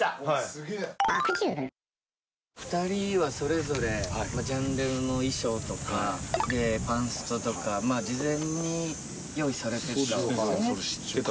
すげえ２人はそれぞれまあジャン・レノの衣装とかでパンストとかまあ事前に用意されてたんですよね？